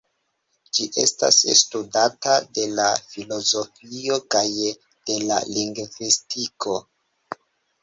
Ĝi estas studata de la filozofio kaj de la lingvistiko.